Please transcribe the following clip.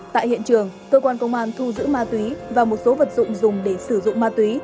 tại hiện trường cơ quan công an thu giữ ma túy và một số vật dụng dùng để sử dụng ma túy